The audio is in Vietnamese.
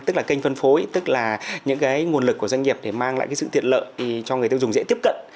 tức là kênh phân phối tức là những cái nguồn lực của doanh nghiệp để mang lại cái sự tiện lợi cho người tiêu dùng dễ tiếp cận